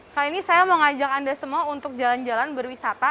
kali ini saya mau ngajak anda semua untuk jalan jalan berwisata